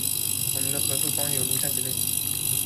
我们的合作方有如下几类：